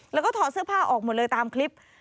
แล้วก็ถอดเสื้อผ้าออกหมดเลยตามคลิป